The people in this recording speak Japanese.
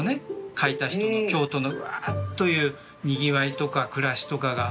描いた人の京都のうわっというにぎわいとか暮らしとかが。